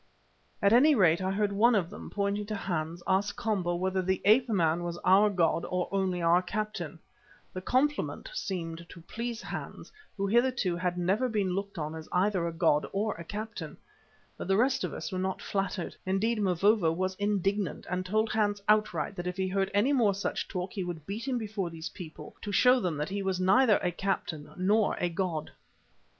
At any rate, I heard one of them, pointing to Hans, ask Komba whether the ape man was our god or only our captain. The compliment seemed to please Hans, who hitherto had never been looked on either as a god or a captain. But the rest of us were not flattered; indeed, Mavovo was indignant, and told Hans outright that if he heard any more such talk he would beat him before these people, to show them that he was neither a captain nor a god.